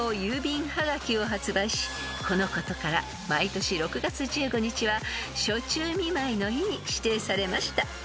［このことから毎年６月１５日は暑中見舞いの日に指定されました］